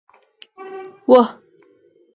وه